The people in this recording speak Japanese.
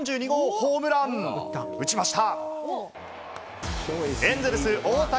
４２号ホームラン打ちました！